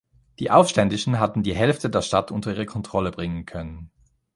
Die Aufständischen hatten die Hälfte der Stadt unter ihre Kontrolle bringen können.